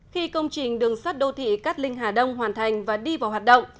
khi công trình đường sắt đô thị cát linh hà đông hoàn thành và đi vào hoạt động